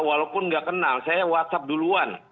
walaupun nggak kenal saya whatsapp duluan